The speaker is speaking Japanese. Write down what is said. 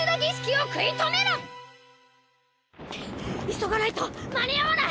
急がないと間に合わない！